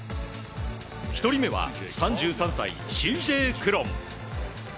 １人目は３３歳、Ｃ・Ｊ・クロン。